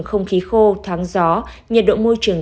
không khí khô thoáng gió nhiệt độ môi trường